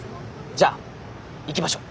じゃあ行きましょう。